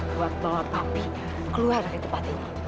bawa papi keluar dari tempat ini